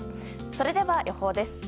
それでは予報です。